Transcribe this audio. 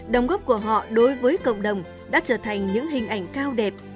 đồng góp của họ đối với cộng đồng đã trở thành những hình ảnh cao đẹp